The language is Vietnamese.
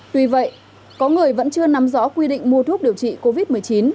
tuy vậy có người vẫn chưa nắm rõ quy định mua thuốc điều trị covid một mươi chín